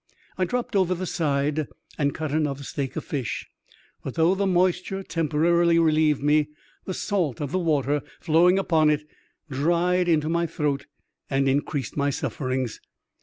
I dropped over the side and cut another steak of fish ; but though the moisture temporarily relieved me, the salt of the water flowing upon it dried into my throat and increased my sufferings.